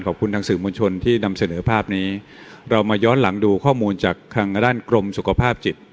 ขอบคุณทางสื่อมวลชนที่นำเสนอภาพนี้เรามาย้อนหลังดูข้อมูลจากทางด้านกรมสุขภาพจิต